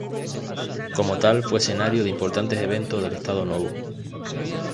Como tal fue escenario de importantes eventos del Estado Novo.